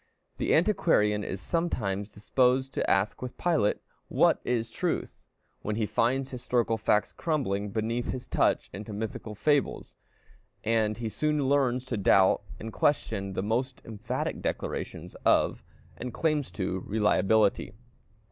The antiquarian is sometimes disposed to ask with Pilate, "What is truth?" when he finds historical facts crumbling beneath his touch into mythological fables; and he soon learns to doubt and question the most emphatic declarations of, and claims to, reliability.